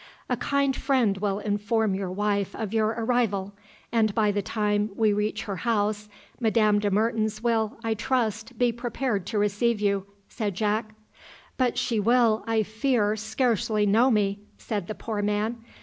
"A kind friend will inform your wife of your arrival, and by the time we reach her house Madame de Mertens will, I trust, be prepared to receive you," said Jack. "But she will, I fear, scarcely know me," said the poor man.